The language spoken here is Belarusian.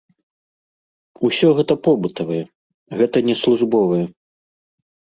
Усё гэта побытавае, гэта не службовае.